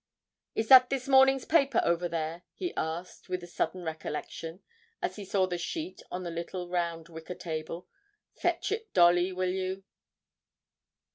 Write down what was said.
'Is that this morning's paper over there?' he asked, with a sudden recollection, as he saw the sheet on a little round wicker table. 'Fetch it, Dolly, will you?'